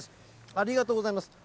ありがとうございます。